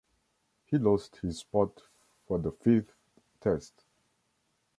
He lost his spot for the fifth test.